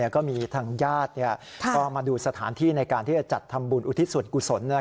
ก็มีทางญาติก็มาดูสถานที่ในการที่จะจัดทำบุญอุทิศส่วนกุศล